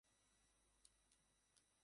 এমন কিছু সত্যি-সত্যি ঘটতে পারে।